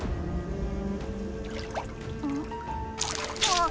あっ！